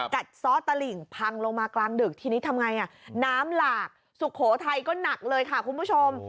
ซ้อตลิ่งพังลงมากลางดึกทีนี้ทำไงน้ำหลากสุโขทัยก็หนักเลยค่ะคุณผู้ชม